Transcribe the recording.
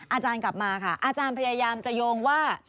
อาจารย์กลับมาค่ะอาจารย์พยายามจะโยงว่า